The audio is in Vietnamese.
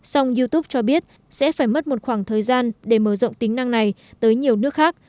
song youtube cho biết sẽ phải mất một khoảng thời gian để mở rộng tính năng này tới nhiều nước khác